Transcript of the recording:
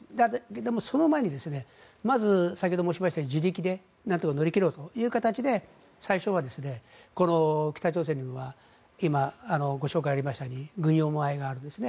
でも、その前にまず、先ほど申しましたように自力でなんとか乗り切ろうという形で最初はこの北朝鮮軍は今、ご紹介がありましたように軍用米があるんですね。